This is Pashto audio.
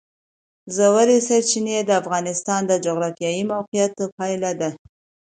ژورې سرچینې د افغانستان د جغرافیایي موقیعت پایله ده.